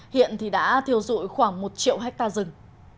hiện thì đã thiêu dụi khoảng một triệu hectare rừng